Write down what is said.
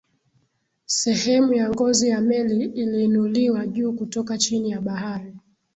sehemu ya ngozi ya meli iliinuliwa juu kutoka chini ya bahari